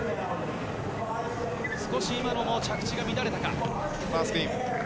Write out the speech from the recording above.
少し今のも着地が乱れたか。